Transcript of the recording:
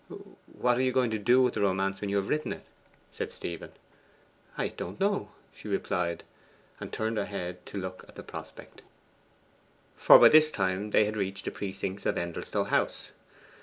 'What are you going to do with your romance when you have written it?' said Stephen. 'I don't know,' she replied, and turned her head to look at the prospect. For by this time they had reached the precincts of Endelstow House.